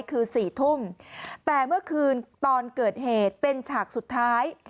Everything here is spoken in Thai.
คือ๔ทุ่มแต่เมื่อคืนตอนเกิดเหตุเป็นฉากสุดท้าย